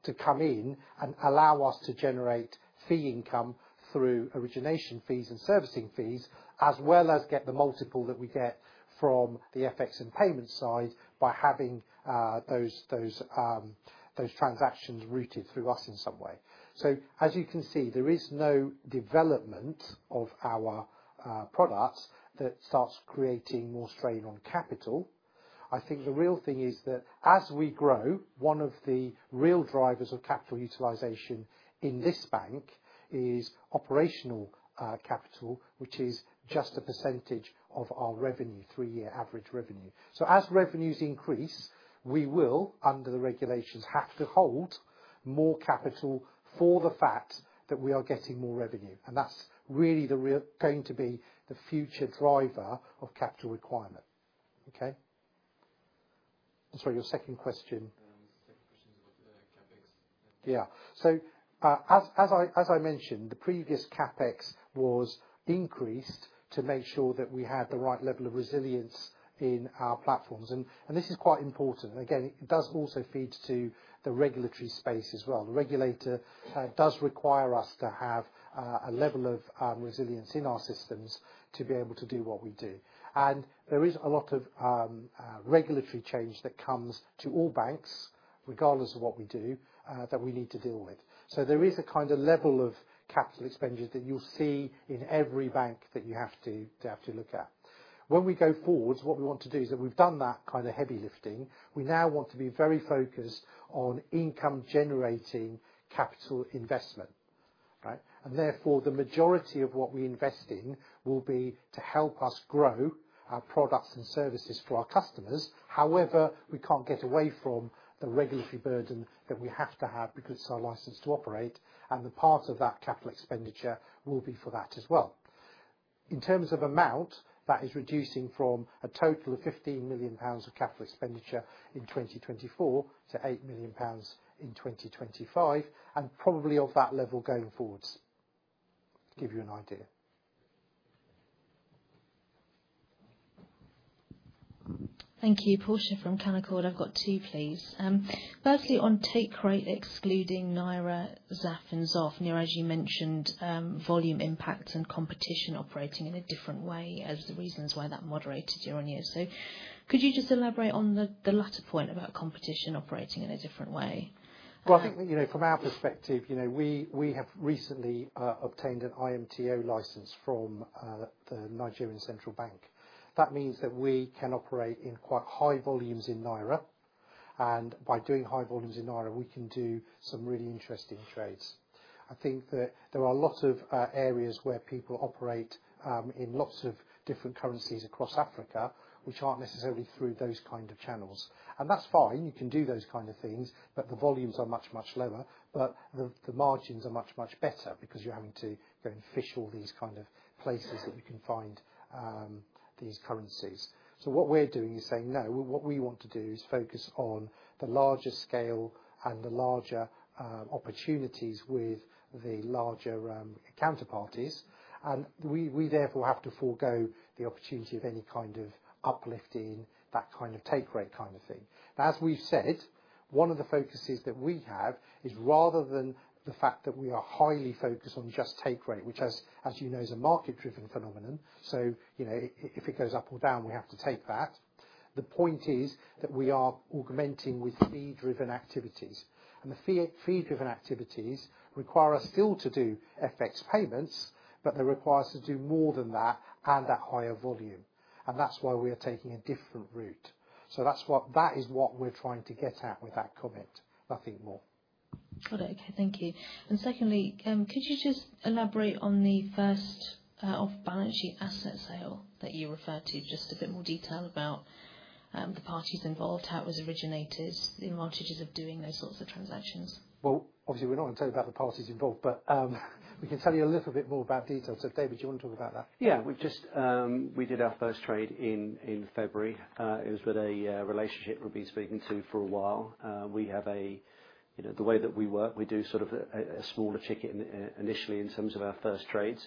to come in and allow us to generate fee income through origination fees and servicing fees, as well as get the multiple that we get from the FX and payments side by having those transactions routed through us in some way. As you can see, there is no development of our products that starts creating more strain on capital. I think the real thing is that as we grow, one of the real drivers of capital utilization in this bank is operational capital, which is just a percentage of our revenue, three-year average revenue. As revenues increase, we will, under the regulations, have to hold more capital for the fact that we are getting more revenue. That is really going to be the future driver of capital requirement, okay? I'm sorry, your second question. Second question is about the CapEx. Yeah. As I mentioned, the previous CapEx was increased to make sure that we had the right level of resilience in our platforms. This is quite important. It does also feed to the regulatory space as well. The regulator does require us to have a level of resilience in our systems to be able to do what we do. There is a lot of regulatory change that comes to all banks, regardless of what we do, that we need to deal with. There is a kind of level of capital expenditure that you'll see in every bank that you have to look at. When we go forwards, what we want to do is that we've done that kind of heavy lifting. We now want to be very focused on income-generating capital investment, right? Therefore, the majority of what we invest in will be to help us grow our products and services for our customers. However, we can't get away from the regulatory burden that we have to have because it's our license to operate, and the part of that capital expenditure will be for that as well. In terms of amount, that is reducing from a total of 15 million pounds of capital expenditure in 2024 to 8 million pounds in 2025, and probably of that level going forwards, to give you an idea. Thank you. Portia from Canaccord. I've got two, please. Firstly, on take rate, excluding Naira, ZAF, and XOF, Neeraj, you mentioned volume impact and competition operating in a different way as the reasons why that moderated year on year. Could you just elaborate on the latter point about competition operating in a different way? I think from our perspective, we have recently obtained an IMTO license from the Nigerian Central Bank. That means that we can operate in quite high volumes in Naira, and by doing high volumes in Naira, we can do some really interesting trades. I think that there are a lot of areas where people operate in lots of different currencies across Africa, which are not necessarily through those kind of channels. That is fine. You can do those kind of things, but the volumes are much, much lower, but the margins are much, much better because you are having to go and fish all these kind of places that you can find these currencies. What we are doing is saying, no, what we want to do is focus on the larger scale and the larger opportunities with the larger counterparties. We therefore have to forego the opportunity of any kind of uplift in that kind of take rate kind of thing. Now, as we've said, one of the focuses that we have is rather than the fact that we are highly focused on just take rate, which, as you know, is a market-driven phenomenon, so if it goes up or down, we have to take that. The point is that we are augmenting with fee-driven activities. The fee-driven activities require us still to do FX payments, but they require us to do more than that and at higher volume. That is why we are taking a different route. That is what we're trying to get at with that comment, nothing more. Got it. Okay, thank you. Could you just elaborate on the first off-balance sheet asset sale that you referred to, just a bit more detail about the parties involved, how it was originated, the advantages of doing those sorts of transactions? Obviously, we're not going to tell you about the parties involved, but we can tell you a little bit more about details. David, do you want to talk about that? Yeah. We did our first trade in February. It was with a relationship we've been speaking to for a while. We have the way that we work, we do sort of a smaller ticket initially in terms of our first trades.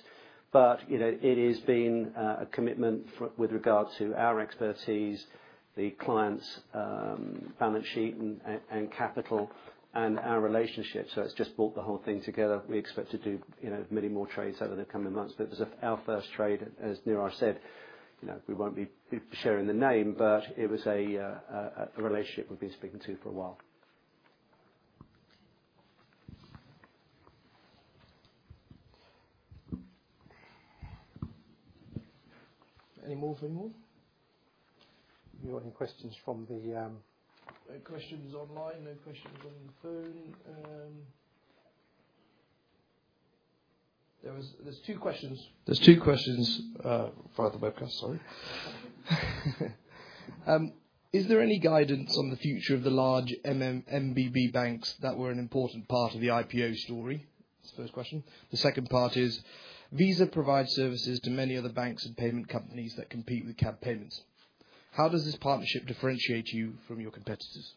It has been a commitment with regard to our expertise, the client's balance sheet and capital, and our relationship. It just brought the whole thing together. We expect to do many more trades over the coming months. It was our first trade, as Neeraj said. We won't be sharing the name, but it was a relationship we've been speaking to for a while. Any more from you all? Any questions from the? No questions online. No questions on the phone. There's two questions. Are two questions via the webcast, sorry. Is there any guidance on the future of the large MBB banks that were an important part of the IPO story? That is the first question. The second part is, Visa provides services to many other banks and payment companies that compete with CAB Payments. How does this partnership differentiate you from your competitors?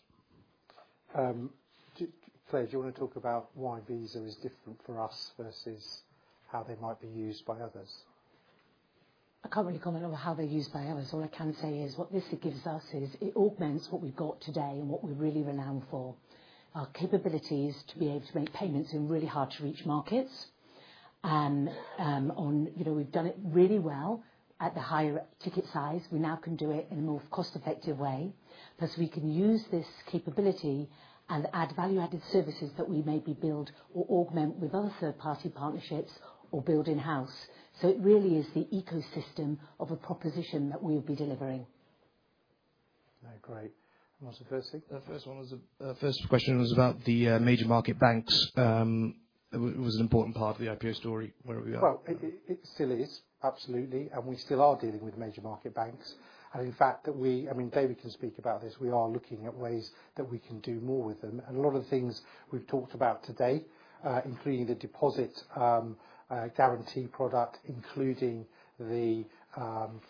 Claire, do you want to talk about why Visa is different for us versus how they might be used by others? I can't really comment on how they're used by others. All I can say is what this gives us is it augments what we've got today and what we're really renowned for, our capabilities to be able to make payments in really hard-to-reach markets. We've done it really well at the higher ticket size. We now can do it in a more cost-effective way because we can use this capability and add value-added services that we maybe build or augment with other third-party partnerships or build in-house. It really is the ecosystem of a proposition that we will be delivering. Okay, great. What is the first thing? The first question was about the major market banks. It was an important part of the IPO story. where are we at? It still is, absolutely, and we still are dealing with major market banks. In fact, I mean, David can speak about this. We are looking at ways that we can do more with them. A lot of the things we have talked about today, including the deposit guarantee product, including the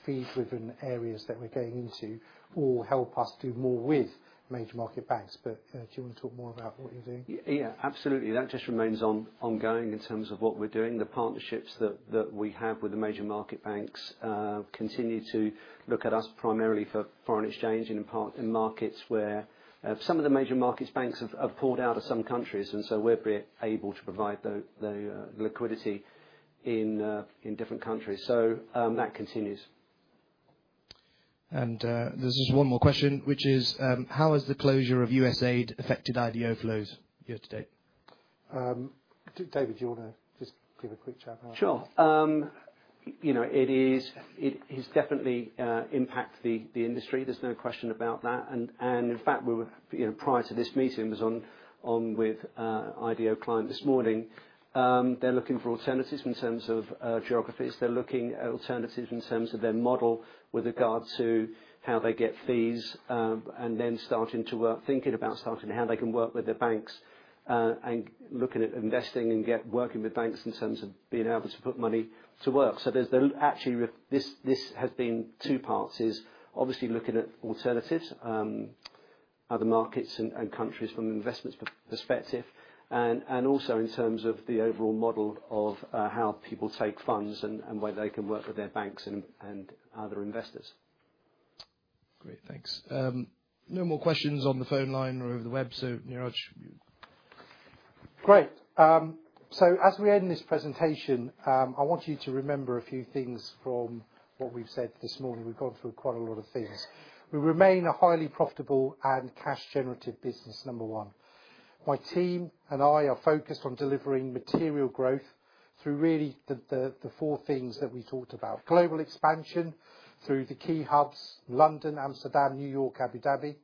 fee-driven areas that we are getting into, will help us do more with major market banks. Do you want to talk more about what you are doing? Yeah, absolutely. That just remains ongoing in terms of what we're doing. The partnerships that we have with the major market banks continue to look at us primarily for foreign exchange and in markets where some of the major markets' banks have pulled out of some countries, and so we're able to provide the liquidity in different countries. That continues. There is just one more question, which is, how has the closure of USAID affected IDO flows year to date? David, do you want to just give a quick chat about it? Sure. It has definitely impacted the industry. There's no question about that. In fact, prior to this meeting, I was on with an IDO client this morning. They're looking for alternatives in terms of geographies. They're looking at alternatives in terms of their model with regard to how they get fees and then starting to think about how they can work with their banks and looking at investing and working with banks in terms of being able to put money to work. Actually, this has been two parts, obviously looking at alternatives, other markets, and countries from an investment perspective, and also in terms of the overall model of how people take funds and where they can work with their banks and other investors. Great, thanks. No more questions on the phone line or over the web. Neeraj, you. Great. As we end this presentation, I want you to remember a few things from what we've said this morning. We've gone through quite a lot of things. We remain a highly profitable and cash-generative business, number one. My team and I are focused on delivering material growth through really the four things that we talked about: global expansion through the key hubs, London, Amsterdam, New York, Abu Dhabi;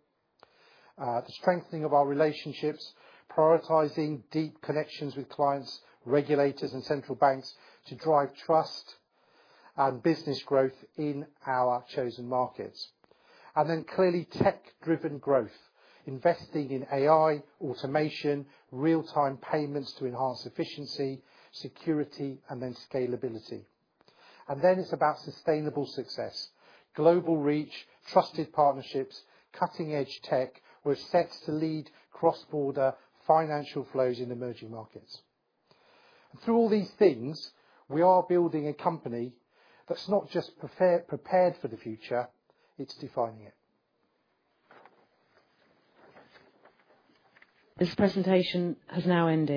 the strengthening of our relationships, prioritizing deep connections with clients, regulators, and central banks to drive trust and business growth in our chosen markets; clearly tech-driven growth, investing in AI, automation, real-time payments to enhance efficiency, security, and scalability. It is about sustainable success, global reach, trusted partnerships, cutting-edge tech where it is set to lead cross-border financial flows in emerging markets. Through all these things, we are building a company that's not just prepared for the future; it's defining it. This presentation has now ended.